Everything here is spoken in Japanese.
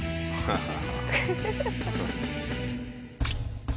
ハハハハ！